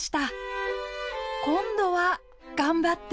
今度は頑張って！